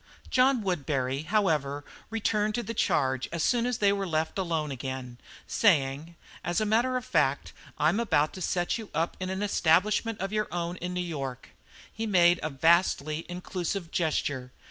John Woodbury, however, returned to the charge as soon as they were left alone again, saying: "As a matter of fact, I'm about to set you up in an establishment of your own in New York." He made a vastly inclusive gesture.